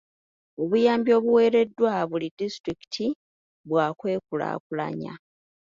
Obuyambi obuweereddwa buli disitulikiti bwa kwekulaakulanya.